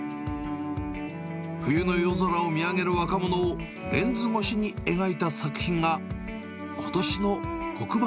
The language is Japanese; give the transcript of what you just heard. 冬の夜空を見上げる若者を、レンズ越しに描いた作品が、ことしの黒板